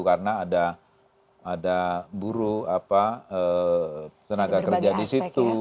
karena ada buru tenaga kerja di situ